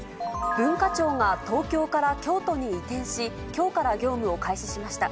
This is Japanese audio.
文化庁が東京から京都に移転し、きょうから業務を開始しました。